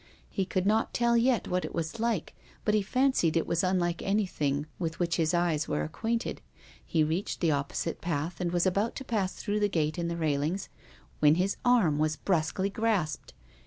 He could not tell yet what it was like, but he fancied it was unlike anything with which his eyes were acquainted. He reached the opposite path, and was about to pass through the gate in the railings, when his arm was brusquely grasped.